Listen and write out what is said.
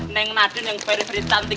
neng nadin yang very very cantik